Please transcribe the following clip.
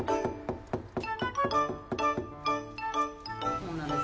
そうなんです。